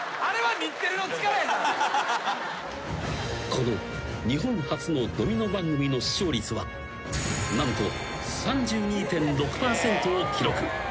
［この日本初のドミノ番組の視聴率は何と３２．６％を記録］